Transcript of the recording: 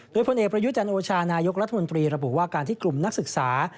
โดยพลเอกประยุจันโอชานายกรัฐมนตรีระบุว่าการที่กลุ่มนักศึกษา